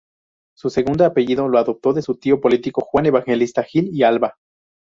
Su segundo apellido lo adoptó de su tío político Juan Evangelista Gil y Alba.